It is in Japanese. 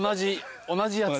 ・同じやつ。